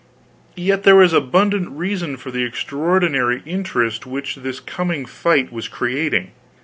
Yet there was abundant reason for the extraordinary interest which this coming fight was creating.